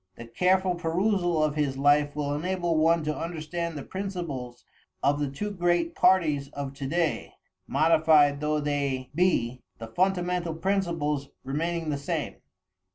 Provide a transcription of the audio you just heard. The careful perusal of his life will enable one to understand the principles of the two great parties of to day, modified though they be, the fundamental principles remaining the same.